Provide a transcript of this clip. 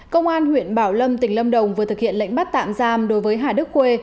công an huyện bảo lâm tỉnh lâm đồng vừa thực hiện lệnh bắt tạm giam đối với hà đức khuê